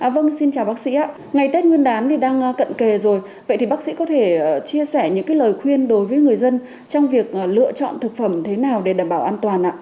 vâng xin chào bác sĩ ạ ngày tết nguyên đán thì đang cận kề rồi vậy thì bác sĩ có thể chia sẻ những lời khuyên đối với người dân trong việc lựa chọn thực phẩm thế nào để đảm bảo an toàn ạ